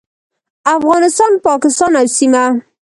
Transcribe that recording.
افغانستان، پاکستان او سیمه